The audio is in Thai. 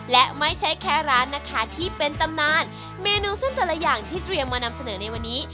และไม่ใช่แค่ร้านนะคะที่เป็นตำนานเมนูเส้นแต่ละอย่างที่เตรียมมานำเสนอในวันนี้